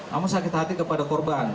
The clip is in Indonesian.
namun sakit hati kepada korban